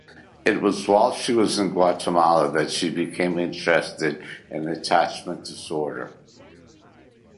It was whilst she was in Guatemala that she became interested in attachment disorder.